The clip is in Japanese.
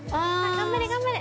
頑張れ頑張れ。